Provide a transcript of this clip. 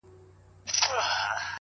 o ستا د يوې لپي ښكلا په بدله كي ياران؛